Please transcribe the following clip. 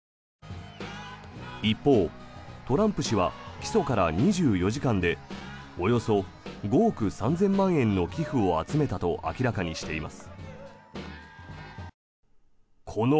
一方、トランプ氏は起訴から２４時間でおよそ５億３０００万円の寄付を集めたと明らかにしています。